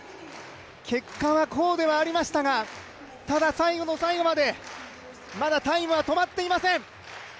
結果はこうではありましたが、ただ最後の最後まで、まだタイムは止まっていません。